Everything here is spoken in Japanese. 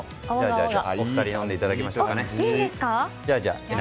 お二人飲んでいただきましょうか。